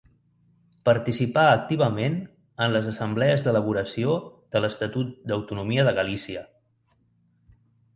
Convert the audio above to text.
Participà activament en les assemblees d'elaboració de l'Estatut d'Autonomia de Galícia.